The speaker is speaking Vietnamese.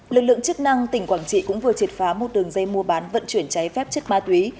lực lượng chức năng tỉnh quảng trị cũng vừa triệt phá một đường dây mua bán vận chuyển cháy phép chất ma túy